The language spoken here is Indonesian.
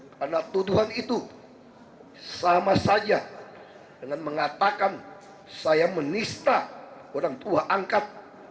karena tuduhan itu sama saja dengan mengatakan saya menista orang tua angkat